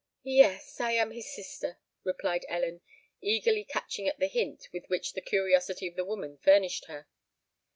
"Yes—I am his sister," replied Ellen, eagerly catching at the hint with which the curiosity of the woman furnished her.